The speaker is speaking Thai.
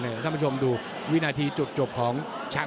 คุณผู้ชมดูวินาทีจุดจบของ